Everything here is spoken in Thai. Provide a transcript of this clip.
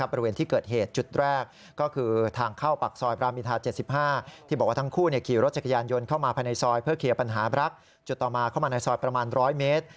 เพื่อเคลียร์ปัญหารักจุดต่อมาเข้ามาในซอยประมาณ๑๐๐เมตร